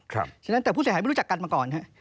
แต่ผู้เสียหายไม่รู้จักกันมาก่อนครับ